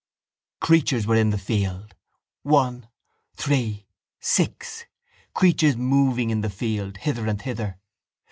Creatures were in the field; one, three, six: creatures were moving in the field, hither and thither.